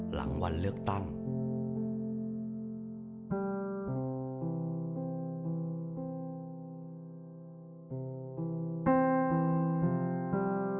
หลังวันเลือกตั้ง